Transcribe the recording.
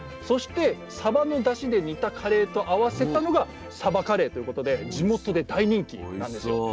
そしてサバのだしで煮たカレーと合わせたのがサバカレーということで地元で大人気なんですよ。